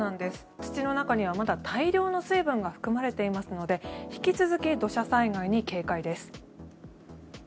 土の中にはまだ大量の水分が含まれていますので引き続き土砂災害に警戒です。